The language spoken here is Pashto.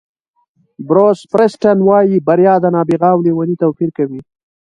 بروس فیریسټن وایي بریا د نابغه او لېوني توپیر کوي.